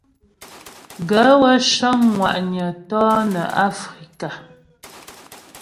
Gaə̂ wə́ cə́ŋ ŋwà'nyə̀ tɔnə Afrikà.